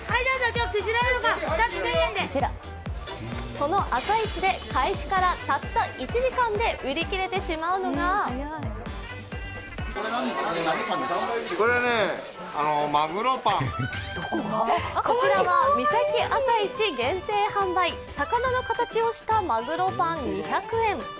その朝市で開始からたった１時間で売り切れてしまうのがこちらは、三崎朝市限定販売魚の形をしたまぐろぱん２００円。